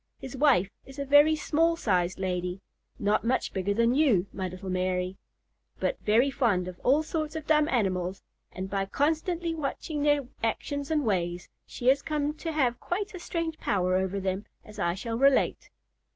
His wife is a very small sized lady—not much bigger than you, my little Mary—but very fond of all sorts of dumb animals; and by constantly watching their actions and ways, she has come to have quite a strange power over them, as I shall relate.